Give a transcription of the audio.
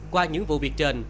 qua những vụ việc trên